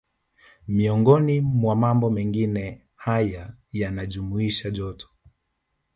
Miongoni mwa mambo mengine haya yanajumuisha joto